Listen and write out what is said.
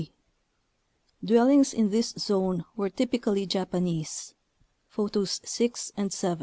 g. Dwellings in this zone were typically Japanese (Photos 6 and 7) .